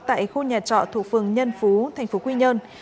tại khu nhà trọ thuộc phường nhân phú tp quy nhơn